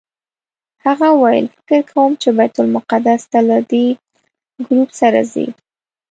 هغه وویل فکر کوم چې بیت المقدس ته له دې ګروپ سره ځئ.